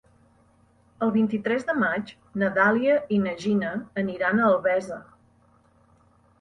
El vint-i-tres de maig na Dàlia i na Gina aniran a Albesa.